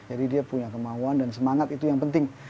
jadi dia punya kemauan dan semangat itu yang penting